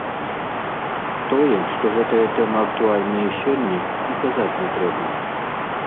Тое, што гэтая тэма актуальная і сёння, і казаць не трэба.